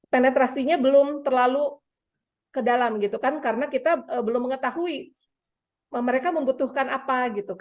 penetrasinya belum terlalu ke dalam karena kita belum mengetahui mereka membutuhkan apa